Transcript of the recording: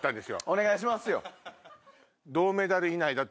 お願いしますよ。